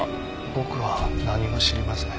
僕は何も知りません。